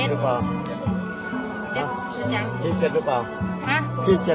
เต็มโรหัสสิ่งที่สุดท้ายก็คือ